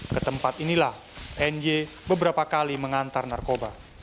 ketempat inilah n y beberapa kali mengantar narkoba